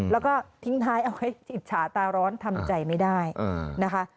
แล้วก็ทิ้งท้ายเอาให้อิจฉาตาร้อนทำใจไม่ได้นะคะ